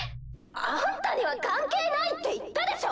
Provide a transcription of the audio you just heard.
あんたには関係ないって言ったでしょ！